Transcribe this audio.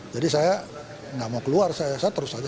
jadi saya gak mau keluar saya terus aja